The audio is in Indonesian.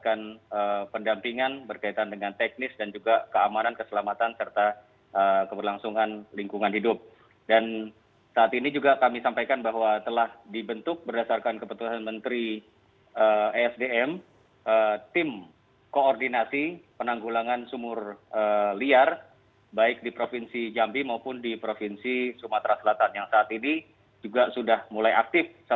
kami informasikan kepada pak